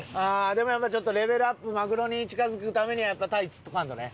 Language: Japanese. でもやっぱレベルアップマグロに近付くためにはやっぱタイ釣っとかんとね。